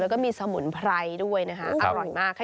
แล้วก็มีสมุนไพรด้วยนะคะอร่อยมากค่ะ